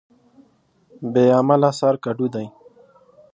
بې عمله سر کډو دى.